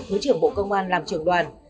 thứ trưởng bộ công an làm trưởng đoàn